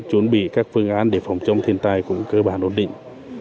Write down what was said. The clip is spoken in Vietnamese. chuẩn bị các phương án để phòng chống thiên tai cũng cơ bản ổn định